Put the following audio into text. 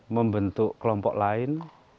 membentuk kelompok lain